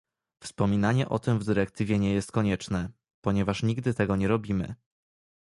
Wspominanie o tym w dyrektywie nie jest konieczne, ponieważ nigdy tego nie robimy